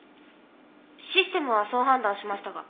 システムはそう判断しましたが。